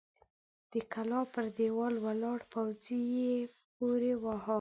د کلا پر دېوال ولاړ پوځي يې پورې واهه!